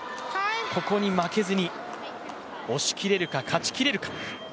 ここに負けずに、押し切れるか、勝ちきれるか。